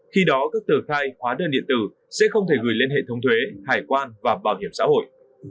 khi đó các tờ khai hóa đơn điện tử sẽ không thể gửi lên hệ thống thuế hải quan và bảo hiểm xã hội